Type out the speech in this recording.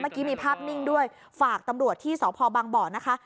เมื่อกี้มีภาพนิ่งด้วยฝากตำรวจที่สพบังบ่อนะคะ